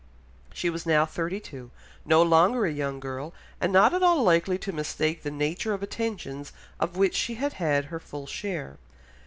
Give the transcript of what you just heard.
She was now thirty two, no longer a young girl, and not at all likely to mistake the nature of attentions of which she had had her full share.